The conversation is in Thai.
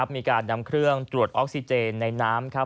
มีการนำเครื่องตรวจอคสีเจนในน้ำ